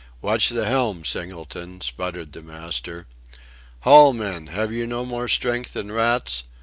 "Watch the helm, Singleton," spluttered the master. "Haul, men! Have you no more strength than rats?